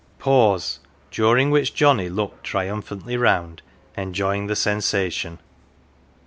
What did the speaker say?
" Pause, during which Johnnie looked triumphantly round, enjoying the sensation.